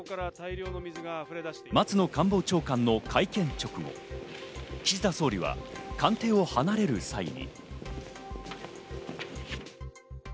松野官房長官の会見直後、岸田総理は官邸を離れる際に。